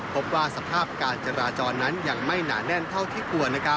พบว่าสภาพการจราจรยังไม่หน่าแน่นเท่าที่กลัว